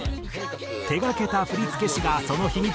手がけた振付師がその秘密を明かす。